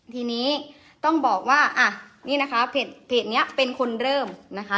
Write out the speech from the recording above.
ทีนี้ต้องบอกว่าอ่ะนี่นะคะเพจนี้เป็นคนเริ่มนะคะ